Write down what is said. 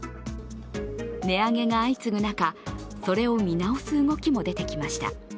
値上げが相次ぐ中、それを見直す動きも出てきました。